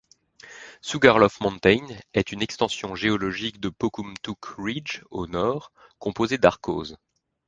Sugarloaf Mountain est une extension géologique de Pocumtuck Ridge, au nord, composée d'arkose.